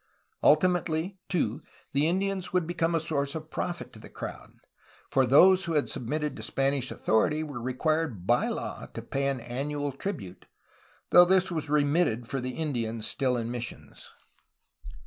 Ultimately, too, the Indians would be come a source of profit to the crown, for those who had sub mitted to Spanish authority were required by law to pay an annual tribute, though this was remitted for the Indians still in missions.